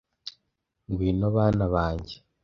Ngwino bana banjye,